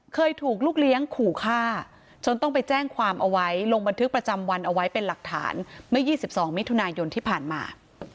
เคยถูกลูกเลี้ยงขู่ฆ่าจนต้องไปแจ้งความเอาไว้ลงบันทึกประจำวันเอาไว้เป็นหลักฐานเมื่อ๒๒มิถุนายนที่ผ่านมา